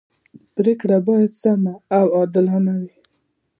پریکړي باید سمي او عادلانه يي.